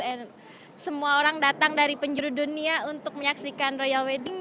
dan semua orang datang dari penjuru dunia untuk menyaksikan royal wedding